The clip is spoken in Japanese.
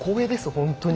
本当に。